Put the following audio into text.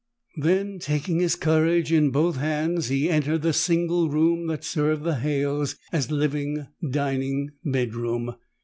Then, taking his courage in both hands, he entered the single room that served the Halles as living dining bedroom.